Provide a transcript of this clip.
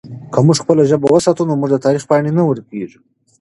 که موږ خپله ژبه وساتو نو زموږ د تاریخ پاڼې نه ورکېږي.